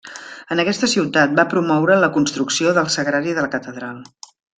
En aquesta ciutat va promoure la construcció del sagrari de la catedral.